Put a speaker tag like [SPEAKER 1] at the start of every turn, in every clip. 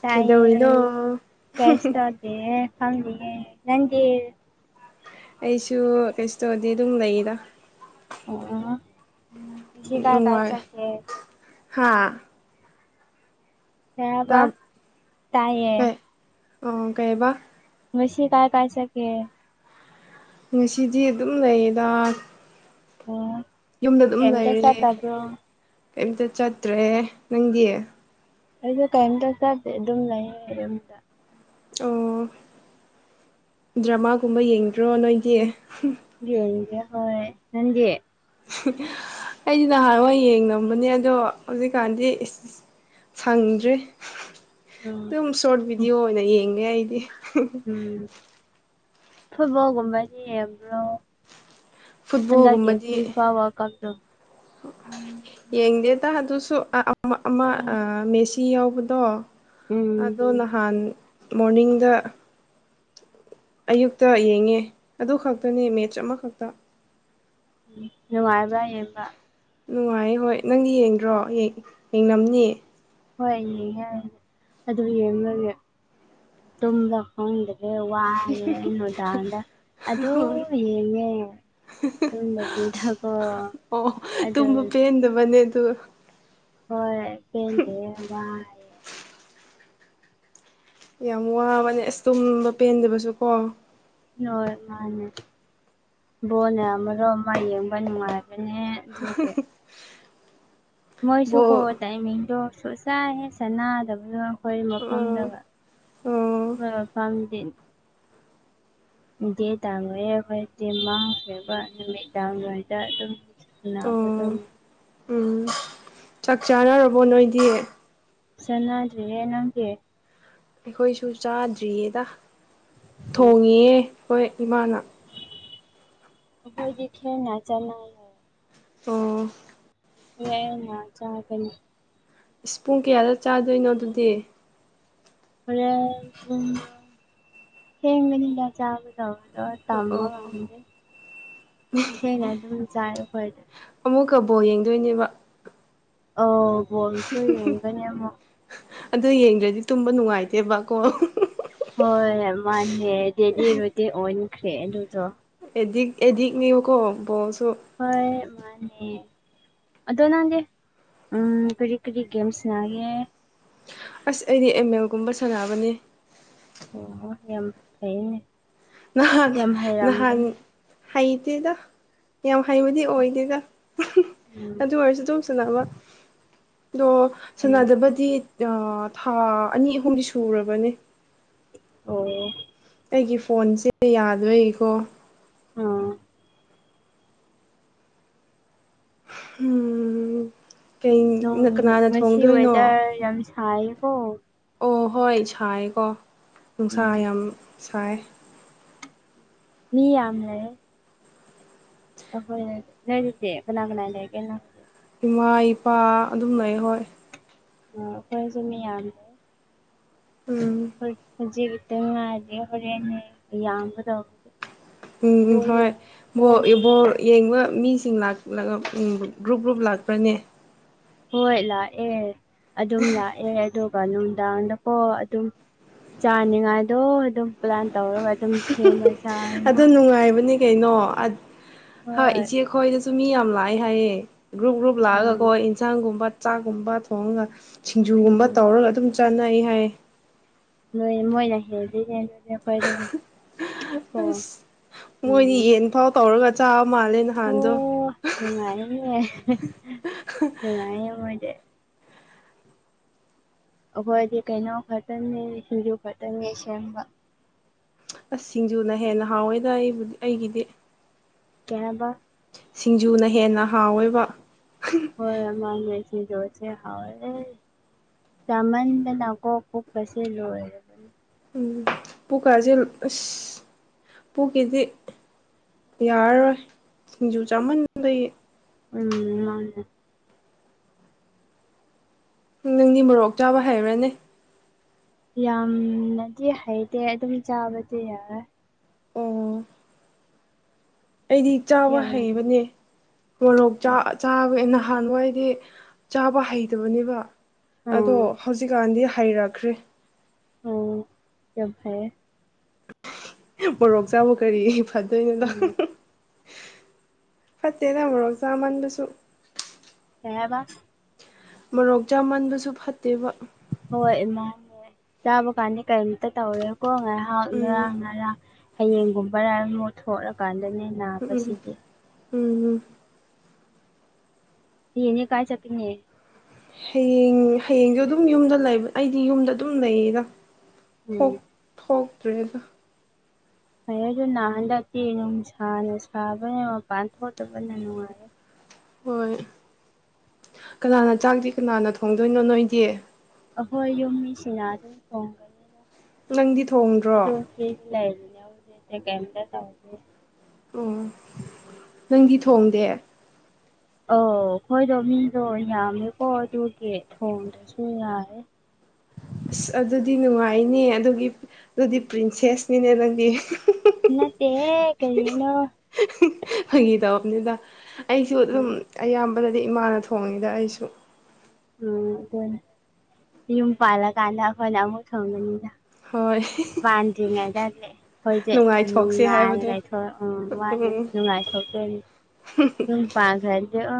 [SPEAKER 1] ꯇꯥꯏꯌꯦ
[SPEAKER 2] ꯀꯩꯗꯧꯔꯤꯅꯣ
[SPEAKER 1] ꯀꯩꯁ ꯇꯧꯗꯤ ꯑ‌ꯦ ꯐꯝꯃꯤꯌ‌ꯦ ꯅꯪꯗꯤ
[SPEAKER 2] ꯑꯩꯁꯨ ꯀꯩꯁꯨ ꯇꯧꯗꯤ ꯑꯗꯨꯝ ꯂꯩꯗ
[SPEAKER 1] ꯎ ꯎ ꯉꯥꯁꯤ ꯀꯥꯏ ꯀꯥꯏ ꯆꯠꯀꯦ
[SPEAKER 2] ꯍꯥꯥ
[SPEAKER 1] ꯀꯩ ꯍꯥꯏꯕ ꯇꯥꯏꯌꯦ
[SPEAKER 2] ꯀꯩ ꯑꯣ ꯀꯩꯕ
[SPEAKER 1] ꯉꯁꯤ ꯀꯥꯏ ꯀꯥꯏ ꯆꯠꯀꯦ
[SPEAKER 2] ꯉꯁꯤꯗꯤ ꯑꯗꯨꯝ ꯂꯩꯌꯦꯗ
[SPEAKER 1] ꯑꯣ
[SPEAKER 2] ꯌꯨꯝꯗ ꯑꯗꯨꯝ
[SPEAKER 1] ꯀꯩꯝꯇ
[SPEAKER 2] ꯂꯩꯔꯦ
[SPEAKER 1] ꯆꯠꯇꯕ꯭ꯔꯣ
[SPEAKER 2] ꯀꯩꯝꯇ ꯆꯠꯇ꯭ꯔꯦ ꯅꯪꯗꯤ
[SPEAKER 1] ꯑꯩꯁꯨ ꯀꯔꯤꯝꯇ ꯆꯠꯇꯦ ꯑꯗꯨꯝ ꯂꯩꯌ‌ꯦ ꯌꯨꯝꯗ
[SPEAKER 2] ꯑꯣ ꯗ꯭ꯔꯃꯥꯒꯨꯝꯕ ꯌꯦꯡꯗ꯭ꯔꯣ ꯅꯣꯏꯒꯤ
[SPEAKER 1] ꯌ‌ꯦꯡꯗ‌ꯦ ꯍꯣꯏ ꯅꯪꯗꯤ꯫
[SPEAKER 2] ꯑꯩꯗꯤ ꯅꯍꯥꯟꯋꯥꯏ ꯌꯦꯡꯅꯕꯅꯦ ꯑꯗꯣ ꯍꯧꯖꯤꯛꯀꯥꯟꯗꯤ ꯁꯪꯗ꯭ꯔꯤ
[SPEAKER 1] ꯎꯝ
[SPEAKER 2] ꯑꯗꯨꯝ ꯁꯣ꯭ꯔꯠ ꯚꯤꯗꯤꯑꯣ ꯑꯣꯏꯅ ꯌꯦꯡꯉꯦ ꯑꯩꯗꯤ
[SPEAKER 1] ꯊꯣꯏꯕ ꯀꯝ ꯄꯅꯤ ꯌꯥꯝꯕ꯭ꯔꯣ ꯍꯟꯗꯛꯀꯤ
[SPEAKER 2] ꯐꯨꯠꯕꯣꯜꯒꯨꯝꯕꯗꯤ
[SPEAKER 1] ꯐꯤꯐꯥ ꯋꯥ꯭ꯔꯜ ꯀꯞꯇꯣ
[SPEAKER 2] ꯌꯦꯡꯗꯦꯗ ꯑꯗꯨꯁꯨ ꯑꯃ ꯃꯦꯁꯤ ꯌꯥꯎꯕꯗꯣ
[SPEAKER 1] ꯎꯝ
[SPEAKER 2] ꯑꯗꯣ ꯅꯍꯥꯟ ꯃꯣꯔꯅꯤꯡꯗ ꯑꯌꯨꯛꯇ ꯌꯦꯡꯉꯦ ꯑꯗꯨ ꯈꯛꯇꯅꯦ ꯃꯦꯠꯁ ꯑꯃꯈꯛꯇ
[SPEAKER 1] ꯎ ꯅꯨꯡꯉꯥꯏꯕ꯭ꯔꯥ ꯌꯦꯡꯕ
[SPEAKER 2] ꯅꯨꯡꯉꯥꯏ ꯍꯣꯏ ꯅꯪꯗꯤ ꯌꯦꯡꯗ꯭ꯔꯣ ꯌꯦꯡꯅꯕꯝꯅꯤ
[SPEAKER 1] ꯍꯣꯏ ꯌꯦꯡꯉꯦꯅꯦ ꯑꯗꯨ ꯌꯦꯡꯕꯒꯦ ꯇꯨꯝꯕ ꯈꯪꯗꯕꯦ ꯦ ꯋꯥꯅꯦ ꯏꯩꯅꯣꯗꯥꯗ ꯑꯗꯨꯗ ꯌꯦꯡꯉꯦ ꯇꯨꯝꯗꯕꯤꯗꯀꯣ
[SPEAKER 2] ꯑꯣ
[SPEAKER 1] ꯑꯗꯨ
[SPEAKER 2] ꯇꯨꯝꯕ ꯄꯦꯟꯗꯕꯅꯦ ꯑꯗꯨ
[SPEAKER 1] ꯍꯣꯏ ꯄꯦꯟꯗꯦ ꯋꯥꯏꯌꯦ
[SPEAKER 2] ꯌꯥꯝ ꯋꯥꯕꯅꯦ ꯑꯁ ꯇꯨꯝꯕ ꯄꯦꯟꯗꯕꯁꯨ ꯀꯣ
[SPEAKER 1] ꯅꯣꯏ ꯃꯥꯅꯦ ꯕꯣꯅ ꯑꯃꯔꯣ ꯑꯃ ꯌꯦꯡꯕ ꯅꯨꯡꯉꯥꯏꯕ ꯅꯦ ꯑꯗꯨꯒꯤ ꯃꯣꯏꯁꯨ ꯀꯣ
[SPEAKER 2] ꯕꯣꯜ
[SPEAKER 1] ꯇꯥꯏꯃꯤꯡꯗꯣ ꯁꯣꯠ ꯆꯥꯏ ꯍꯦ ꯆ ꯗꯕꯗꯣ ꯑꯩꯈꯣꯏ ꯃꯐꯝꯗ
[SPEAKER 2] ꯑꯥ ꯑꯥ
[SPEAKER 1] ꯑꯩꯈꯣꯏ ꯃꯐꯝꯗꯤ ꯇ ꯑꯩꯈꯣꯏ ꯍꯕꯃꯤ ꯉ ꯑꯗꯨꯝ [unintelligible]
[SPEAKER 2] ꯑꯥ
[SPEAKER 1] ꯂꯕꯗꯝ
[SPEAKER 2] ꯎꯝ ꯆꯥꯛ ꯆꯥꯅꯔꯕꯣ ꯅꯣꯏꯗꯤ
[SPEAKER 1] ꯆꯉꯗ꯭ꯔꯦ ꯅꯪꯗꯤ
[SPEAKER 2] ꯑꯩꯈꯣꯏꯁꯨ ꯆꯥꯗ꯭ꯔꯤꯌꯦꯗ
[SPEAKER 1] ꯎꯝ
[SPEAKER 2] ꯊꯣꯡꯉꯦꯌꯦ ꯍꯣꯏ ꯏꯃꯥꯅ
[SPEAKER 1] ꯎꯕꯣꯏꯗꯤꯦ ꯅꯖꯥꯏ
[SPEAKER 2] ꯑꯣ
[SPEAKER 1] ꯍ ꯆꯥ ꯀꯅꯤ
[SPEAKER 2] ꯏꯁꯄꯨꯡ ꯀꯌꯥꯗ ꯆꯥꯗꯣꯏꯅꯣ ꯑꯗꯨꯗꯤ
[SPEAKER 1] ꯃꯌꯥꯝ ꯍꯦꯡ ꯃꯅꯤꯗ ꯆꯥꯕꯗꫭ ꯗꫭ ꯊꯝꯕ
[SPEAKER 2] ꯑꯣ
[SPEAKER 1] ꯊꯦꯡꯅ ꯑꯗꯨꯝ ꯆꯥꯏ ꯑꯩꯈꯣꯏꯗꯤ
[SPEAKER 2] ꯑꯃꯨꯛꯀ ꯕꯣꯜ ꯌꯦꯡꯗꯣꯏꯅꯦꯕ
[SPEAKER 1] ꯑꫭ ꯕꫭꯜꯁꯨ ꯌꯦꯡꯒꯅꯤ ꯑꯃꯨꯛ
[SPEAKER 2] ꯑꯗꯣ ꯌꯦꯡꯗ꯭ꯔꯗꯤ ꯇꯨꯝꯕ ꯅꯨꯡꯉꯥꯏꯇꯦꯕꯀꯣ
[SPEAKER 1] ꯍꯣꯏ ꯃꯥꯅꯦ ꯗꯦꯜꯂꯤ ꯔꯨꯇꯤꯟ ꯑꯣꯟꯈ꯭ꯔꯦ ꯑꯗꯨꯗꯣ
[SPEAKER 2] ꯑꯦꯗꯤꯛ ꯑꯦꯗꯤꯛꯅꯦꯕꯀꯣ ꯕꫭꯜ
[SPEAKER 1] ꯍꯣꯏ ꯃꯥꯅꯦ ꯑꯗꯣ ꯅꯪꯗꯤ ꯎꯝ ꯀꯔꯤ ꯀꯔꯤ ꯒꯦꯝ ꯁꯅꯥꯒꯦ
[SPEAKER 2] ꯑꯁ ꯑꯩꯗꯤ ꯑꯦꯝ ꯃꯦꯜꯒꯨꯝꯕ ꯁꯥꯟꯅꯕꯅꯤ
[SPEAKER 1] ꯑꯣ ꯌꯥꯝ ꯐꯩꯌꯦꯅꯦ
[SPEAKER 2] ꯅꯍꯥꯟ ꯅꯍꯥꯟ ꯍꯩꯇꯦꯗ ꯌꯥꯝ ꯍꯩꯕꯗꯤ ꯑꯣꯏꯗꯦꯗ
[SPEAKER 1] ꯎꯝ
[SPEAKER 2] ꯑꯗꯨ ꯑꯣꯏꯔꯁꯨ ꯑꯗꯨꯝ ꯁꯥꯟꯅꯕ ꯑꯗꯣ
[SPEAKER 1] ꯎꯝ
[SPEAKER 2] ꯁꯥꯟꯅꯗꯕꯗꯤ ꯊꯥ ꯑꯅꯤ ꯑꯍꯨꯝꯗꯤ ꯁꯨꯔꯕꯅꯦ
[SPEAKER 1] ꯑꯣ
[SPEAKER 2] ꯑꯩꯒꯤ ꯐꯣꯟꯁꯦ ꯌꯥꯗꯕꯩꯀꯣ
[SPEAKER 1] ꯑꯥ
[SPEAKER 2] ꯎꯝ ꯀꯩ ꯀꯅꯥꯅ ꯊꯣꯡꯗꯣꯏꯅꯣ
[SPEAKER 1] ꯁꯥꯏꯌꯦ ꯀꫭ
[SPEAKER 2] ꯑꯣ ꯍꯣꯏ ꯁꯥꯏꯀꯣ ꯅꯨꯡꯁꯥ
[SPEAKER 1] ꯎꯝ
[SPEAKER 2] ꯌꯥꯝ ꯁꯥꯏ
[SPEAKER 1] ꯃꯤ ꯌꯥꯝ ꯂꯩ ꯑꯈꫭꯏꯅ ꯂꯩꯇꯦ ꯀꯅꯥ ꯀꯅꯥ ꯂꯩꯒꯦ ꯅꯪ ꯍꯧꯖꯤꯛ
[SPEAKER 2] ꯏꯃꯥ ꯏꯄꯥ ꯑꯗꯨꯝ ꯂꯩ ꯍꯣꯏ
[SPEAKER 1] ꯑꯣ ꯑꯩꯈꯣꯏꯁꯨ ꯃꯤ ꯌꯥꯝꯗꯦ
[SPEAKER 2] ꯎꯝ
[SPEAKER 1] ꯖꯤꯕꯗ ꯃꯥꯔꯤ ꯍꯔ ꯌꯥꯡꯕ ꯕ
[SPEAKER 2] ꯎꯝ ꯎꯝ ꯍꯣꯏ ꯕꫭꯜ ꯌꯦ
[SPEAKER 1] ꯌꯥꯝ
[SPEAKER 2] ꯕꫭꯜ ꯌꯦꯡꯕ ꯃꯤꯁꯤꯡ ꯂꯥꯛ ꯒ꯭ꯔꯨꯞ ꯒ꯭ꯔꯨꯞ ꯂꯥꯛꯄ꯭ꯔꯅꯦ
[SPEAKER 1] ꯍꯣꯏ ꯂꯥꯛꯑꯦ ꯑꯗꯨꯝ ꯂꯥꯛꯑꯦ ꯑꯗꯨꯒ ꯅꯨꯡꯗꯥꯡꯗꯀꯣ ꯑꯗꯨꯝ ꯆꯥꯅꯤꯉꯥꯏꯗꯣ ꯑꯗꯨꯝ ꯄ꯭ꯂꯥꯟ ꯇꯧꯔꯒ ꯑꯗꯨꯝ ꯁꯦꯝꯃ
[SPEAKER 2] ꯑꯗꯨ
[SPEAKER 1] ꯆꯥꯏꯌꯦꯕ
[SPEAKER 2] ꯅꯨꯡꯉꯥꯏꯕꯅꯦ ꯀꯩꯅꯣ ꯑꯗ ꯍꯥ
[SPEAKER 1] ꯍꯣꯏ
[SPEAKER 2] ꯏꯆꯦ ꯈꯣꯏꯗ ꯑꯗꯨꯨ ꯃꯤ ꯌꯥꯝ ꯂꯥꯛꯑꯦ ꯍꯥꯏꯌꯦ ꯒ꯭ꯔꯨꯞ ꯒ꯭ꯔꯨꯞ
[SPEAKER 1] ꯎꯝ
[SPEAKER 2] ꯂꯥꯛꯑꯒꯀꯣ ꯏꯟꯁꯥꯡꯒꯨꯝꯕ ꯆꯥꯛꯀꯨꯝꯕ ꯊꯣꯡꯉꯒ ꯁꯤꯡꯖꯨꯒꯨꯝꯕ
[SPEAKER 1] ꯎꯝ
[SPEAKER 2] ꯇꯧꯔꯒ ꯑꯗꯨꯝ ꯆꯥꯅꯩ ꯍꯥꯏ
[SPEAKER 1] ꯅꯣꯏ ꯃꯣꯏꯅ ꯍꯦꯜꯂꯤꯅꯦ ꯑꯗꯨ
[SPEAKER 2] ꯑꯁ ꯃꯣꯏꯅꯤ
[SPEAKER 1] ꯎꯝ
[SPEAKER 2] ꯌꯦꯟꯐꯥꯎ ꯇꯧꯔꯒ ꯆꯥꯕ ꯃꯥꯂꯦ ꯅꯍꯥꯟꯗꯣ
[SPEAKER 1] ꯑꯣ ꯅꯨꯡꯉꯥꯏꯔꯦꯅꯦ ꯅꯨꯡꯉꯥꯏꯌꯦ ꯃꯣꯏꯗꯤ ꯑꯩꯈꯣꯏꯗꯤ ꯀꯩꯩꯅꫭ ꯈꯛꯇꯅꯦ ꯁꯤꯡꯖꯨ ꯈꯛꯇꯅꯦ ꯁꯦꯝꯕ
[SPEAKER 2] ꯑꯁ ꯁꯤꯡꯖꯨꯅ ꯍꯦꯟꯅ ꯍꯥꯎꯋꯦꯗ ꯑꯩꯕꯨꯗꯤ ꯑꯩꯒꯤꯗꯤ
[SPEAKER 1] ꯀꯩ ꯍꯥꯏꯕ
[SPEAKER 2] ꯁꯤꯡꯖꯨꯅ ꯍꯦꯟꯅ ꯍꯥꯎꯋꯦꯕ
[SPEAKER 1] ꯍꯣꯏ ꯃꯥꯅꯦ ꯁꯤꯡꯖꯨꯁꯦ ꯍꯥꯎꯋꯦ ꯆꯃꯟꯗꯅꯀꯣ ꯄꯨꯛ ꯀꯁꯦ ꯂꫭꯏꯔꯕꯅꯦ
[SPEAKER 2] ꯎꯝ ꯄꯨꯛꯀꯥꯁꯦ ꯑꯁ ꯄꯨꯛꯀꯤꯗꯤ ꯌꯥꯔꯔꯣꯏ ꯁꯤꯡꯖꯨ ꯆꯥꯃꯟꯕꯒꯤ
[SPEAKER 1] ꯎꯝ ꯃꯥꯥꯟꯅꯦ
[SPEAKER 2] ꯅꯪꯗꯤ ꯃꯣꯔꯣꯛ ꯆꯥꯕ ꯍꯩꯔꫭꯏꯅ‌ꯦ
[SPEAKER 1] ꯌꯥꯝꯅꯗꯤ ꯍꯩꯇꯦ ꯑꯗꯨꯝ ꯆꯥꯕꯗꯤ ꯌꯥꯔꯦ
[SPEAKER 2] ꯑꯣ ꯑꯩꯗꯤ ꯆꯥꯕ
[SPEAKER 1] ꯌꯥꯔꯦ
[SPEAKER 2] ꯍꯩꯕꯅꯦ ꯃꯣꯔꯣꯛ
[SPEAKER 1] ꯎꯝ
[SPEAKER 2] ꯆꯥꯕ ꯆꯥꯕ ꯅ ꯍꯥꯟꯕꯋꯥꯏꯗꯤ ꯆꯥꯕ ꯍꯩꯇꯕꯅꯦꯕ ꯑꯗꯣ
[SPEAKER 1] ꯎꯝ
[SPEAKER 2] ꯍꯧꯖꯤꯛꯀꯥꯟꯗꯤ ꯍꯩꯔꯛꯈ꯭ꯔꯦ
[SPEAKER 1] ꯑꯣ ꯌꯥꯝ ꯐꯩꯌꯦ
[SPEAKER 2] ꯃꯣꯔꯣꯛ ꯆꯥꯕꯨ ꯀꯔꯤ ꯐꯗꯣꯏꯅꯣꯗ
[SPEAKER 1] ꯎꯝ
[SPEAKER 2] ꯐꯠꯇꯦꯗꯥ ꯃꯣꯔꯣꯛ ꯆꯥꯃꯟꯕꯁꯨ
[SPEAKER 1] ꯍꯥꯏꯕꯥ
[SPEAKER 2] ꯃꯣꯔꯣꯛ ꯆꯥꯃꯟꯕꯁꯨ ꯐꯠꯇꯦꯕ
[SPEAKER 1] ꯍꯣꯏ ꯏꯃ ꯆꯥꯕ ꯀꯥꯟꯅꯤ ꯀꯔꯤꯝꯇ ꯇꯧꯔꯦ ꯀꯣꯡ ꯉꯥꯏꯍꯥꯛ
[SPEAKER 2] ꯎꯝ
[SPEAKER 1] ꯉꯔꯥꯡ ꯉꯔꯥꯡ ꯍꯌꯦꯡꯒꯨꯝꯕ ꯂꯥꯏ ꯃꯨꯠꯊꯣꯔꯀꯥꯟ ꯗꯥꯅꯦ ꯅꯕꯁꯤꯗꯤ
[SPEAKER 2] ꯎꯝ ꯎꯝ
[SPEAKER 1] ꯌꯦꯅꯦ ꯀꯥꯏ ꯆꯞꯄꯤꯅꯦ
[SPEAKER 2] ꯍꯌꯦꯡ ꯍꯌꯦꯡꯁꯨ ꯑꯗꯨꯝ ꯌꯨꯝꯗ ꯂꯩꯕ ꯑꯩꯗꯤ ꯌꯨꯝꯗ ꯑꯗꯨꯝ ꯂꯩꯌꯦꯗꯥ
[SPEAKER 1] ꯎꯝ
[SPEAKER 2] ꯊꯣꯛ ꯊꯣꯛꯇ꯭ꯔꯦꯗ
[SPEAKER 1] ꯐꯩ ꯑꯗꯨꯣꯅ ꯍꯟꯗꯛꯇꯤ ꯅꯨꯡꯁꯥꯅ ꯁꯥꯕꯅ ꯃꯄꯥꯟ ꯊꯣꯛꯇꯕꯅ ꯅꯨꯡꯉꯥꯏꯔꯦ
[SPEAKER 2] ꯍꯣꯏ ꯀꯅꯥꯅ ꯆꯥꯛꯇꯤ ꯀꯅꯥꯅ ꯊꯣꯡꯗꯣꯏꯅꯣ ꯅꯣꯏꯗꯤ
[SPEAKER 1] ꯑꯈꯣꯏ ꯌꯨꯝ ꯃꯤ ꯁꯤꯡꯅꯥ ꯑꯗꯨꯝ ꯊꯣꯡꯒꯅꯤꯗꯥ
[SPEAKER 2] ꯅꯪꯗꯤ ꯊꯣꯡꯗ꯭ꯔꯣ
[SPEAKER 1] ꯑꯗꯅꯦ ꯂꯩꯕꯥꯅꯦ ꯍꯧꯖꯤꯛꯇꯤ ꯀꯩꯝꯇ ꯇꯧꯗꯦ
[SPEAKER 2] ꯑꯣ ꯅꯪꯗꯤ ꯊꯣꯡꯗꯦ
[SPEAKER 1] ꯑꯎ ꯑꯩꯈꯣꯏꯗꯣ ꯃꯤꯗꯣ ꯌꯥꯝꯃꯦꯀꯣ ꯑꯗꯨꯒꯤ ꯊꯣꯡꯗꯁꯨ ꯌꯥꯔꯦ
[SPEAKER 2] ꯑꯁ ꯑꯗꯨꯗꯤ ꯅꯨꯡꯉꯥꯏꯅꯦ ꯑꯗꯨꯒꯤ ꯑꯗꯨꯗꯤ ꯄ꯭ꯔꯤꯟꯁꯦꯁꯅꯤꯅꯦ ꯅꯪꯗꯤ
[SPEAKER 1] ꯅꯠꯇꯦꯍꯦ ꯀꯔꯤꯅꯣ
[SPEAKER 2] ꯐꯪꯒꯤꯇꯧꯕꯅꯤꯗ ꯑꯩꯁꯨ
[SPEAKER 1] ꯎꯝ
[SPEAKER 2] ꯑꯗꯨꯝ ꯑꯌꯥꯝꯕꯅꯗꯤ ꯏꯃꯥꯅ ꯊꯣꯡꯉꯤꯗ ꯑꯩꯁꯨ
[SPEAKER 1] ꯎꯝ ꯑꯗꯨꯅꯤ ꯌꯨꯝ ꯄꯥꯜꯂꯀꯥꯟꯗ ꯑꯩꯈꯣꯏꯅ ꯑꯃꯨꯛ ꯊꯣꯡꯕꯤꯅꯤꯗ
[SPEAKER 2] ꯍꯣꯏ
[SPEAKER 1] ꯄꯥꯟꯗ꯭ꯔꯤꯉꯩꯗꯗꯤ ꯑꯩꯈꯣꯏꯁꯦ
[SPEAKER 2] ꯅꯨꯡꯉꯥꯏꯊꯣꯛꯁꯦ
[SPEAKER 1] ꯅꯨꯡꯉꯥꯏꯔꯦ
[SPEAKER 2] ꯍꯥꯏꯕꯗꯣ
[SPEAKER 1] ꯊꯣꯛꯂꯛꯑꯣꯏ ꯋꯥꯅꯤ
[SPEAKER 2] ꯎꯝ
[SPEAKER 1] ꯅꯨꯡꯉꯥꯏ ꯊꯣꯛꯇꯣꯏꯅꯤ ꯌꯨꯝ ꯄꯥꯟꯈꯔꯗꯤ ꯑ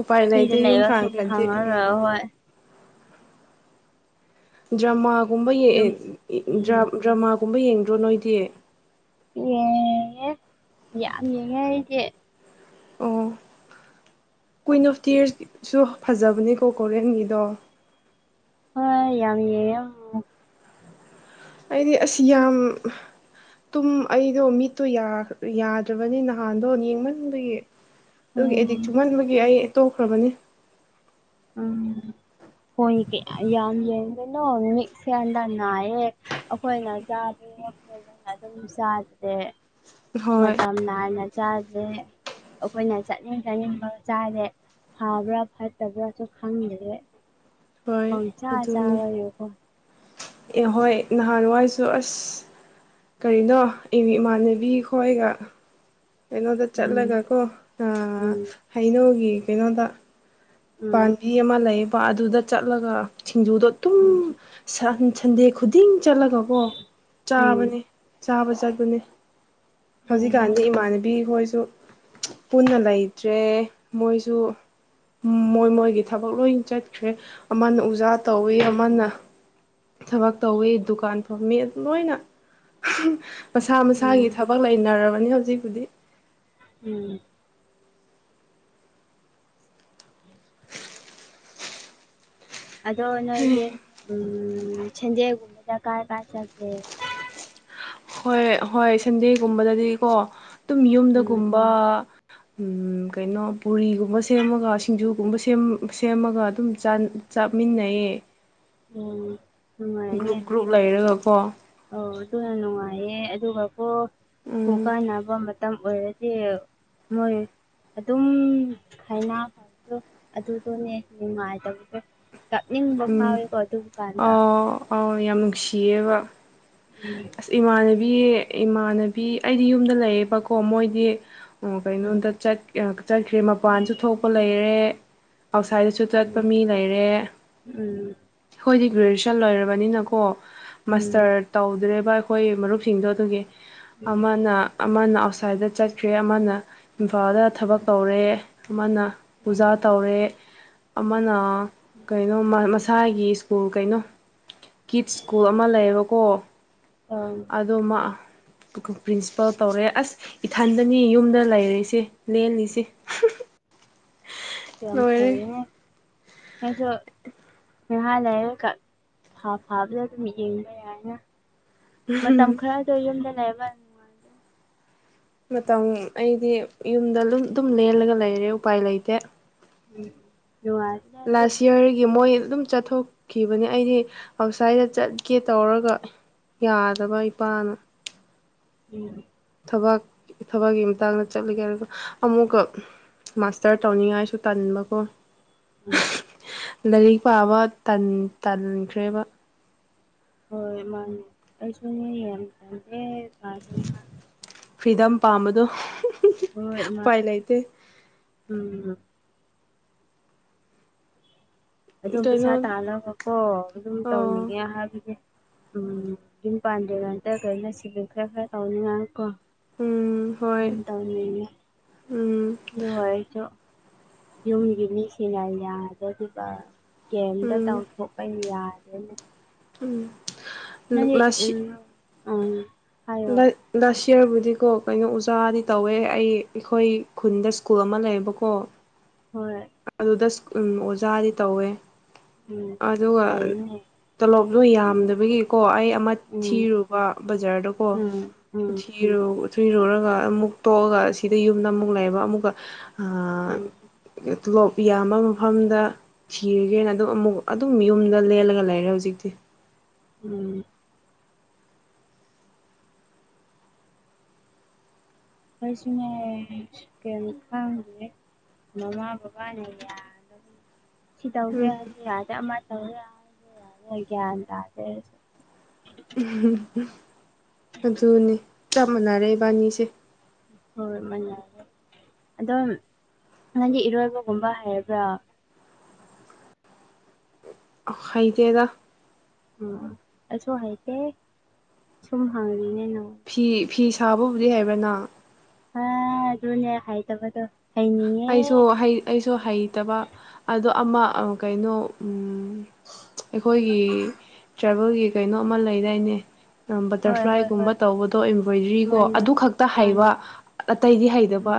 [SPEAKER 2] ꯎꯄꯥꯏ
[SPEAKER 1] ꯐꯤꯗ
[SPEAKER 2] ꯂꯩꯇꯦ ꯌꯨꯝ
[SPEAKER 1] ꯂꯩꯕꯁꯨ
[SPEAKER 2] ꯐꯥꯟꯈ꯭ꯔꯗꯤ ꯎꯝ
[SPEAKER 1] ꯐꯪꯉꯔꯣꯏ
[SPEAKER 2] ꯗ꯭ꯔꯃꯥꯒꯨꯝꯕ
[SPEAKER 1] ꯌꯨꯝ ꯎꯝ
[SPEAKER 2] ꯗ꯭ꯔꯃꯥꯒꯨꯝꯕ ꯌꯦꯡꯗ꯭ꯔꯣ ꯅꯣꯏꯗꯤ
[SPEAKER 1] ꯌꯦꯉꯦ ꯌꯥꯝ ꯌꯦꯡꯉꯦ ꯑꯩꯗꯤ
[SPEAKER 2] ꯑꯣ ꯀꯨꯏꯤꯟ ꯑꯣꯐ ꯇꯤꯌꯔꯁꯁꯨ ꯐꯖꯕꯅꯦꯀꯣ ꯀꯣꯔꯤꯌꯟꯒꯤꯗꯣ
[SPEAKER 1] ꯑ ꯌꯥꯝ ꯌꯦꯡꯉꯥ
[SPEAKER 2] ꯍꯥꯏꯗꯤ ꯑꯁꯤ ꯌꯥꯝ ꯇꯨꯝ ꯑꯩꯗꯣ ꯃꯤꯠꯇꯣ ꯌꯥꯗ꯭ꯔꯕꯅꯤ ꯅꯍꯥꯟꯗꯣ ꯌꯦꯡꯃꯟꯕꯒꯤ ꯑꯗꯨꯒꯤ ꯑꯦꯗꯤꯛ
[SPEAKER 1] ꯎꯝ
[SPEAKER 2] ꯆꯨꯃꯟꯕꯒꯤ ꯑꯩ ꯇꯣꯛꯈ꯭ꯔꯕꯅꯤ
[SPEAKER 1] ꯎꯝ ꯐꯣꯏ ꯀꯌꯥ ꯌꯥꯝ ꯌꯦꯡꯗꯣꯏꯅꯣ ꯃꯤꯠꯁꯦ ꯌꯥꯝꯅꯥ ꯅꯥꯏꯌꯦ ꯑꯩꯈꯣꯏꯅ ꯆꯥ
[SPEAKER 2] [inaudible]
[SPEAKER 1] ꯑꯗꯨꯝ ꯆꯥꯗꯔꯦ
[SPEAKER 2] ꯍꯣꯏ
[SPEAKER 1] ꯃꯇꯝ ꯅꯥꯏꯅ ꯆꯥꯔꯦ ꯑꯩꯈꯣꯏꯅ ꯆꯥꯅꯤꯡ ꯆꯥꯅꯤꯡꯕ ꯆꯥꯔꯦ ꯐꯕ꯭ꯔꯥ ꯐꯠꯇꯕ꯭ꯔꯥ ꯁꯨ ꯈꯪꯗꯔꯦ
[SPEAKER 2] ꯍꯣꯏ
[SPEAKER 1] ꯄꯪꯆꯥ ꯆꯥꯔꯌꯣꯀꯣ
[SPEAKER 2] ꯑꯦꯍꯣꯏ ꯅꯍꯥꯟꯋꯥꯏꯁꯨ ꯑꯁ ꯀꯔꯤꯅꯣ ꯏꯃꯥꯟꯅꯕꯤ ꯈꯣꯏꯒ ꯀꯩꯅꯣꯗ
[SPEAKER 1] ꯎꯝ
[SPEAKER 2] ꯆꯠꯂꯒꯀꯣ
[SPEAKER 1] ꯎꯝ
[SPEAKER 2] ꯍꯩꯅꯧꯒꯤ ꯀꯩꯅꯣꯗ ꯄꯥꯝꯕꯤ ꯑꯃ ꯂꯩꯌꯦꯕ ꯑꯗꯨꯗ ꯆꯠꯂꯒ ꯁꯤꯡꯖꯨꯗꯣ
[SPEAKER 1] ꯎꯝ
[SPEAKER 2] ꯑꯗꯨꯨꯝ ꯁꯟꯗꯦ ꯈꯨꯗꯤꯡ ꯆꯠꯂꯒꯀꯣ
[SPEAKER 1] ꯎꯝ
[SPEAKER 2] ꯆꯥꯕꯅꯦ ꯆꯥꯕ ꯆꯠꯄꯅꯦ
[SPEAKER 1] ꯎꯝ ꯑꯣ
[SPEAKER 2] ꯍꯧꯖꯤꯛꯀꯥꯟꯗꯤ ꯏꯃꯥꯟꯅꯕꯤ ꯍꯣꯏ ꯁꯨ ꯄꯨꯟꯅ ꯂꯩꯇ꯭ꯔꯦ ꯃꯣꯏꯁꯨ ꯃꯣꯏ ꯃꯣꯏꯒꯤ ꯊꯕꯛ ꯂꯣꯏ ꯆꯠꯈ꯭ꯔꯦ ꯑꯃꯅ ꯎꯖꯥ ꯇꯧꯋꯦ
[SPEAKER 1] ꯎꯝ
[SPEAKER 2] ꯑꯃꯅ ꯊꯕꯛ ꯇꯧꯋꯤ ꯗꯨꯀꯥꯟ ꯐꯝꯃꯤ ꯑꯗꯨꯝ ꯂꯣꯏꯅ ꯃꯁꯥ ꯃꯁꯥꯒꯤ
[SPEAKER 1] ꯎꯝ
[SPEAKER 2] ꯊꯕꯛ ꯂꯩꯅꯔꯕꯅꯤ ꯍꯧꯖꯤꯛꯄꯨꯗꯤ
[SPEAKER 1] ꯎꯝ ꯑꯗꯣ ꯅꯣꯏꯁꯦ ꯁꯦꯟꯗꯦꯜꯒꯨꯝꯕꯗ ꯀꯥꯏ ꯀꯥꯏ ꯆꯠꯂꯦ
[SPEAKER 2] ꯍꯣꯏ ꯍꯣꯏ ꯁꯟꯗꯦꯒꯨꯝꯕꯗꯗꯤꯀꯣ ꯑꯗꯨꯝ
[SPEAKER 1] ꯎꯝ
[SPEAKER 2] ꯌꯨꯝꯗꯒꯨꯝꯕ ꯀꯩꯅꯣ ꯄꯨꯔꯤꯒꯨꯝꯕ ꯁꯦꯝꯃꯒ ꯁꯤꯡꯖꯨꯒꯨꯝꯕ ꯁꯦꯝꯃꯒ ꯑꯗꯨꯝ ꯆꯞꯃꯤꯟꯅꯩꯌꯦ
[SPEAKER 1] ꯎꯝ
[SPEAKER 2] ꯒ꯭ꯔꯨꯞ ꯒ꯭ꯔꯨꯞ ꯂꯩꯔꯒꯀꯣ
[SPEAKER 1] ꯑꯣ ꯑꯗꯨꯅ ꯅꯨꯡꯉꯥꯏꯌꯦ ꯑꯗꯨꯒꯀꯣ ꯁ꯭ꯀꯨ
[SPEAKER 2] ꯎꯝ
[SPEAKER 1] ꯀꯥꯟꯅꯕ ꯑꯣꯏꯗꯤ ꯃꯣꯏ ꯑꯗꯨꯝ ꯈꯥꯏꯅꯥꯗꯣ ꯑꯗꯨꯗꯣꯅꯦ ꯅꯨꯡꯉꯥꯏꯗꯕꯗꯣ ꯀꯛꯅꯤꯡꯕ
[SPEAKER 2] ꯎꯝ
[SPEAKER 1] ꯐꯥꯎꯋꯤꯀꯣ ꯑꯗꯨ ꯀꯥꯟꯗ
[SPEAKER 2] ꯑꯥꯎ ꯑꯥꯎ ꯌꯥꯝ ꯅꯨꯡꯁꯤꯌꯦꯕ
[SPEAKER 1] ꯎꯝ
[SPEAKER 2] ꯑꯁ ꯏꯃꯥꯟꯅꯕꯤ ꯕꯤ ꯏꯃꯥꯟꯅꯕꯤ ꯑꯩꯗꯤ ꯌꯨꯝꯗ ꯂꯩꯌꯦꯕꯀꯣ ꯃꯣꯏꯗꯤ ꯑꯣ ꯀꯩꯅꯣꯝꯗ ꯆꯠꯈ꯭ꯔꯦ ꯃꯄꯥꯟꯁꯨ ꯊꯣꯛꯄ ꯂꯩꯔꯦ ꯑꯥꯎꯠꯁꯥꯏꯗꯠꯇꯁꯨ ꯆꯠꯄ
[SPEAKER 1] ꯎꯝ
[SPEAKER 2] ꯃꯤ ꯂꯩꯔꯦ
[SPEAKER 1] ꯎꯝ
[SPEAKER 2] ꯑꯩꯈꯣꯏꯗꯤ ꯒ꯭ꯔꯦꯖꯨꯌꯦꯁꯟ ꯂꯩꯣꯏꯔꯕꯅꯤꯅꯀꯣ
[SPEAKER 1] ꯎꯝ
[SPEAKER 2] ꯃꯁꯇꯔ ꯇꯧꯗ꯭ꯔꯦꯕ ꯑꯩꯈꯣꯏ ꯃꯔꯨꯞꯁꯤꯡꯗꯣ ꯑꯗꯨꯒꯤ
[SPEAKER 1] ꯎꯝ
[SPEAKER 2] ꯑꯃꯅ ꯑꯃꯅ ꯑꯥꯎꯠꯁꯥꯏꯠꯇ ꯆꯠꯈ꯭ꯔꯦ ꯑꯃꯅ ꯏꯝꯐꯥꯜꯗ
[SPEAKER 1] ꯎꯝ
[SPEAKER 2] ꯊꯕꯛ ꯇꯧꯔꯦ ꯑꯃꯅ
[SPEAKER 1] ꯎꯝ ꯎꯝ
[SPEAKER 2] ꯄꯨꯖꯥ ꯇꯧꯔꯦ ꯑꯃꯅ ꯀꯩꯅꯣ ꯃꯁꯥꯒꯤ ꯁ꯭ꯀꯨꯜ ꯀꯩꯅꯣ ꯀꯤꯠ ꯁ꯭ꯀꯨꯜ ꯑꯃ ꯂꯩꯌꯦꯕꯀꯣ
[SPEAKER 1] ꯑꯪ
[SPEAKER 2] ꯑꯗꯨꯃ ꯄ꯭ꯔꯤꯟꯁꯤꯄꯥꯜ ꯇꯧꯔꯦ ꯑꯁ ꯏꯊꯟꯗꯅꯤ ꯌꯨꯝꯗ ꯂꯩꯔꯦꯁꯦ ꯂꯦꯜꯂꯤꯁꯦ ꯁ
[SPEAKER 1] ꯌꯝꯈ ꯑꯁꯨ ꯉꯍꯥ ꯂꯩꯔꯒ ꯐꯥꯕꯗ ꯑꯗꯨꯝ ꯌꯦꯡꯕ ꯌꯥꯏꯅ ꯃ ꯃꯇꯝ ꯈꯔꯗ ꯌꯗꯅ ꯂꯩꯍꯕꯅꯨꯡ
[SPEAKER 2] ꯃꯇꯝ ꯑꯩꯗꯤ ꯌꯨꯝꯗ ꯑꯗꯨꯝ ꯂꯦꯜꯂꯒ ꯂꯩꯔꯦ ꯎꯄꯥꯏ ꯂꯩꯇꯦ
[SPEAKER 1] ꯎꯝ ꯅꯨꯡꯉꯥꯏꯕꯅꯦ
[SPEAKER 2] ꯂꯥꯁ
[SPEAKER 1] ꯑꯗꯨꯁꯨ
[SPEAKER 2] ꯏꯔꯒꯤ ꯃꯣꯏ ꯑꯗꯨꯝ ꯆꯠꯊꯣꯛꯈꯤꯕꯅꯦ ꯑꯩꯗꯤ ꯑꯥꯎꯠꯁꯥꯏꯗꯠꯇ ꯆꯠꯀꯦ ꯇꯧꯔꯒ ꯌꯥꯗꯕ ꯏ ꯄꯅ
[SPEAKER 1] ꯎꯝ
[SPEAKER 2] ꯊꯕꯛ ꯊꯕꯛꯀꯤ ꯃꯇꯥꯡꯗ ꯆꯠꯂꯒꯦ ꯑꯗꯨꯒ ꯑꯃꯨꯛꯀ ꯃꯥꯁꯇꯔ ꯇꯧꯅꯤꯡꯉꯥꯏꯁꯨ ꯇꯅꯤꯡꯕꯀꯣ
[SPEAKER 1] ꯎꯝ
[SPEAKER 2] ꯂꯥꯏꯔꯤꯛ ꯄꯥꯕ ꯇꯟꯈ꯭ꯔꯦꯕ
[SPEAKER 1] ꯍꯣꯏ ꯃꯥꯅꯦ ꯑꯩꯁꯨ ꯌꯦꯍꯦꯗꯅ
[SPEAKER 2] ꯐ꯭ꯔꯤꯗꯝ ꯄꯥꯝꯕꯗꯣ
[SPEAKER 1] ꯍꯣꯏ ꯃꯥ
[SPEAKER 2] ꯎꯄꯥꯏ ꯂꯩꯇꯦ
[SPEAKER 1] ꯎꯝ ꯑꯗꯨꯝ ꯄꯩꯁꯥ
[SPEAKER 2] ꯀꯩꯅꯣ
[SPEAKER 1] ꯇꯥꯅꯕꯀꯣ ꯑꯗꯨꯝ
[SPEAKER 2] ꯑꯣ
[SPEAKER 1] ꯇꯧꯅꯤꯡꯒꯦ ꯍꯥꯏꯕꯒꯤ ꯎꯝ ꯌꯨꯝ ꯄꯥꯟꯗꯦ ꯉꯇꯈꯩꯅ ꯁꯤꯗꯤ ꯈꯔ ꯈꯔ ꯇꯧꯅꯤꯡꯉꯥꯏ ꯀꯣ
[SPEAKER 2] ꯎꯝ ꯍꯣꯏ
[SPEAKER 1] ꯇ
[SPEAKER 2] ꯎꯝ
[SPEAKER 1] ꯌꯋꯥ ꯆ ꯌꯨꯝꯒꯤ ꯃꯤꯁꯤꯡꯅ ꯌꯥꯗꯒ ꯀꯦꯝꯗ
[SPEAKER 2] ꯎꯝ
[SPEAKER 1] ꯇꯧꯊꯣꯛꯄ ꯌꯥꯏ ꯎ
[SPEAKER 2] ꯎꯝ
[SPEAKER 1] ꯅꯪꯦ ꯎ ꯑ
[SPEAKER 2] ꯂ ꯂ ꯇꯤꯌꯔꯕꯨꯗꯤꯀꯣ ꯀꯩꯅꯣ ꯑꯣꯖꯥꯗꯤ ꯇꯧꯋꯦ ꯑꯩ ꯑꯩꯈꯣꯏ ꯈꯨꯟꯗ ꯁ꯭ꯀꯨꯜ ꯑꯃ ꯂꯩꯌꯦꯕꯀꯣ
[SPEAKER 1] ꯍꯣꯏ
[SPEAKER 2] ꯑꯗꯨꯗ ꯎ ꯑꯣꯖꯥꯗꯤ ꯇꯧꯋꯦ
[SPEAKER 1] ꯎꯝ ꯇꯅꯦ
[SPEAKER 2] ꯇꯣꯂꯣꯞꯗꯣ ꯌꯥꯝꯗꯕꯒꯤꯀꯣ ꯑꯩ ꯑꯃ
[SPEAKER 1] ꯎꯝ
[SPEAKER 2] ꯊꯤꯔꯨꯕ ꯕꯖꯥꯔꯗꯀꯣ
[SPEAKER 1] ꯎꯝ ꯎꯝ
[SPEAKER 2] ꯊꯔꯣ [inaudible] ꯊꯨꯏꯔꯨꯔꯒ ꯑꯃꯨꯛ ꯇꯣꯛꯑꯒ ꯁꯤꯗ ꯌꯨꯝꯗ ꯑꯃꯨꯛ ꯂꯩꯕ ꯑꯃꯨꯛꯀ
[SPEAKER 1] ꯎꯝ
[SPEAKER 2] ꯇꯣꯂꯣꯞ ꯌꯥꯝꯌꯥꯝꯕ ꯃꯐꯝꯗ ꯊꯤꯔꯒꯦꯅ ꯑꯗꯨꯝ ꯑꯃꯨꯛ ꯑꯗꯨꯝ ꯌꯨꯝꯗ ꯂꯦꯜꯂꯒ ꯂꯩꯔꯦ ꯍꯧꯖꯤꯛꯇꯤ
[SPEAKER 1] ꯎꯝ ꯑꯩꯩꯁꯨꯉ ꯀ ꯀꯦ ꯃꯃꯥ ꯄꯕꯥꯅꯦ ꯌꯥ ꯁꯤ ꯇꯧꯒꯦ
[SPEAKER 2] ꯎꯝ
[SPEAKER 1] ꯍꯥꯏꯔꯁꯨ ꯌꯥꯗꯦ ꯑꯃ ꯇꯧꯒꯦ ꯍꯥꯏꯔꯁꯨ ꯌꯥꯔꯦ ꯒ꯭ꯌꯥꯟ ꯇꯥꯗꯦꯁꯨ
[SPEAKER 2] ꯎꯝ ꯑꯗꯨꯅꯤ ꯆꯞ ꯃꯥꯟꯅꯔꯦ ꯏꯕꯥꯅꯤꯁꯦ
[SPEAKER 1] ꯍꯣꯏ ꯃꯅꯤ ꯑꯗꯣ ꯅꯪꯒꯤ ꯏꯔꯣꯏꯕꯒꯨꯝꯕ ꯍꯥꯏꯔꯕ꯭ꯔꯥ
[SPEAKER 2] ꯑ ꯍꯩꯇꯦꯗꯥ
[SPEAKER 1] ꯑꯣ ꯑꯗꯨꯁꯨ ꯍꯥꯏꯇꯦ ꯁꯨꯝ ꯍꯪꯉꯅꯦ
[SPEAKER 2] ꯐꯤ ꯐꯤ ꯁꯥꯕꯕꯨꯗꯤ ꯍꯥꯏꯕ꯭ꯔꯅ
[SPEAKER 1] ꯍꯥ ꯑꯗꯨꯅꯦ ꯈꯥꯏ ꯇꯕꯗꯨꯣ
[SPEAKER 2] ꯑꯩꯁꯨ ꯑꯩꯁꯨ ꯍꯩꯇꯕ ꯑꯗꯣ ꯑꯃ ꯀꯩꯅꯣ ꯑꯩꯈꯣꯏꯒꯤ ꯇ꯭ꯔꯥꯏꯚꯦꯜꯒꯤ ꯀꯩꯅꯣ ꯑꯃ ꯂꯩꯗꯥꯏꯅꯦ
[SPEAKER 1] ꯍꯣꯏ ꯍꯣꯏ
[SPEAKER 2] ꯕꯇꯔꯐ꯭ꯂꯥꯏꯒꯨꯝꯕ
[SPEAKER 1] ꯍꯣꯏ ꯍꯣꯏ
[SPEAKER 2] ꯇꯧꯕꯗꯣ ꯑꯦꯝꯝꯕ꯭ꯔꯣꯏꯗ꯭ꯔꯤ ꯀꯣ
[SPEAKER 1] ꯃꯥꯅꯦ
[SPEAKER 2] ꯑꯗꯨ ꯈꯛꯇ ꯍꯩꯕ
[SPEAKER 1] ꯃꯥꯅꯦ
[SPEAKER 2] ꯑꯇꯩꯗꯤ ꯍꯩꯇꯕ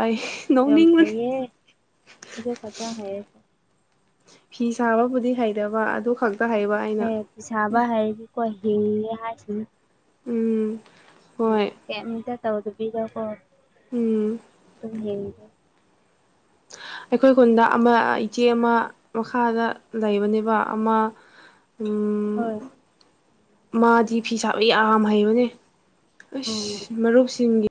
[SPEAKER 2] ꯅꯣꯅꯤꯡ
[SPEAKER 1] ꯌꯦꯗꯣ ꯄꯇꯥ ꯍꯥꯏ
[SPEAKER 2] ꯐꯤ ꯁꯥꯕꯕꯨꯗꯤ ꯍꯩꯗꯕ ꯑꯗꯨ ꯈꯪꯗ
[SPEAKER 1] ꯍ ꯄꯤꯁꯥꯕ ꯍꯥꯏ ꯀꯣꯏ ꯍ ꯍꯥꯏꯁꯤ
[SPEAKER 2] ꯎꯝ ꯍꯣꯏ
[SPEAKER 1] ꯎꯝ ꯀꯇ ꯇꯧꯗꯕꯤꯗꯀꯣ
[SPEAKER 2] ꯎꯝ
[SPEAKER 1] ꯑꯗꯨꯝ ꯌꯦꯡꯉꯒ
[SPEAKER 2] [unintelligible] [inaudible] ꯑꯩꯈꯣꯏ ꯈꯨꯟꯗ ꯑꯃ ꯏꯆꯦ ꯑꯃ ꯃꯈꯥꯗ ꯂꯩꯕꯅꯦꯕ ꯑꯃ ꯎꯝ
[SPEAKER 1] ꯍꯣꯏ
[SPEAKER 2] ꯃꯥꯗꯤ ꯐꯤ ꯁꯥꯕ ꯌꯥꯝ ꯍꯩꯕꯅꯦ
[SPEAKER 1] ꯎꯝ
[SPEAKER 2] ꯑꯁ ꯃꯔꯨꯞꯁꯤꯡꯒꯤ